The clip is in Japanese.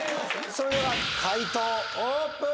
それでは解答オープン